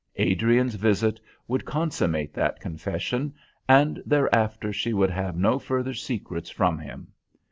Adrian's visit would consummate that confession, and thereafter she would have no further secrets from him.